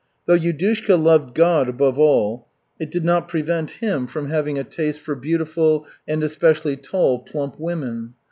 Though Yudushka loved God above all, it did not prevent him from having a taste for beautiful and, especially, tall, plump women.